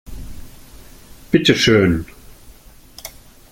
Bitte schön!